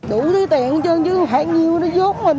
đủ thứ tiện hết trơn chứ khoảng nhiều nó dốt mình